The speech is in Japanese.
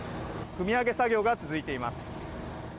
くみ上げ作業が続いています。